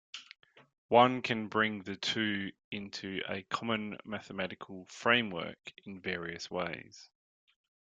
One can bring the two into a common mathematical framework in various ways.